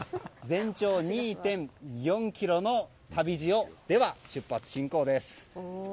全長２．４ｋｍの旅路を出発進行です。